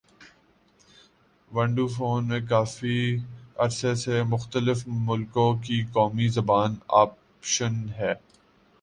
window phone میں کافی عرصے سے مختلف ملکوں کی قومی زبان آپشن ہے